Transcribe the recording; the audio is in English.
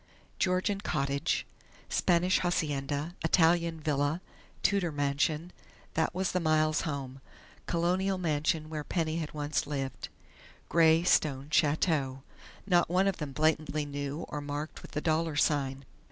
Georgian "cottage," Spanish hacienda, Italian villa, Tudor mansion that was the Miles home; Colonial mansion where Penny had once lived; grey stone chateau.... Not one of them blatantly new or marked with the dollar sign.